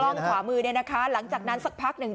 มุมกล้องขวามือหลังจากนั้นสักพักหนึ่ง